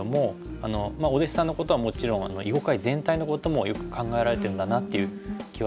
あのお弟子さんのことはもちろん囲碁界全体のこともよく考えられてるんだなっていう気はしますけど。